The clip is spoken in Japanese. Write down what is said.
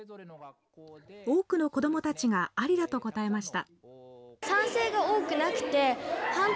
多くの子どもたちがありだと答えました。